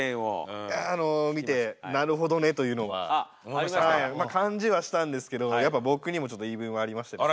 あの見てなるほどねというのは感じはしたんですけどやっぱ僕にもちょっと言い分はありましてですね。